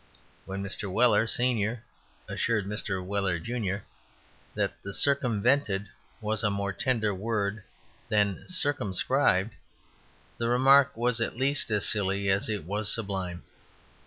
When Mr. Weller, senior, assured Mr. Weller, junior, that "circumvented" was "a more tenderer word" than "circumscribed," the remark was at least as silly as it was sublime.